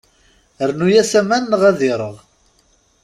Rnu-as aman neɣ ad ireɣ.